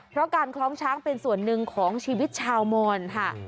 เพราะการคล้องช้างเป็นส่วนหนึ่งของชีวิตชาวมอนค่ะ